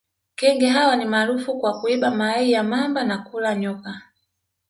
Kenge hawa ni maarufu kwa kuiba mayai ya mamba na kula nyoka